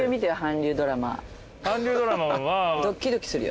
ドッキドキするよ。